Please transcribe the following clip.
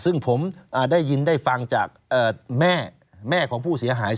ซึ่งผมได้ยินได้ฟังจากแม่แม่ของผู้เสียหาย